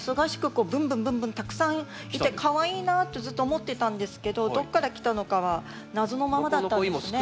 こうブンブンブンブンたくさん来てかわいいなとずっと思ってたんですけどどっから来たのかは謎のままだったんですね。